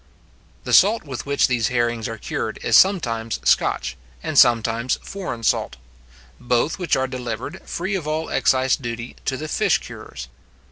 The salt with which these herrings are cured is sometimes Scotch, and sometimes foreign salt; both which are delivered, free of all excise duty, to the fish curers.